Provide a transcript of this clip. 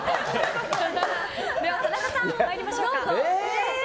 では田中さん、参りましょうか。